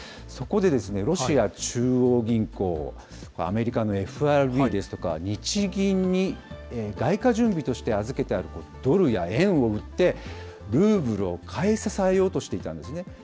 そこでですね、ロシア中央銀行、アメリカのＦＲＢですとか日銀に外貨準備として預けてあるドルや円を売って、ルーブルを買い支えようとしていたんですね。